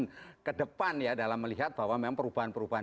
tidak satu apa pemikiran kedepan ya dalam melihat bahwa memang perubahan perubahan